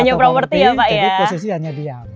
jadi posisi hanya diam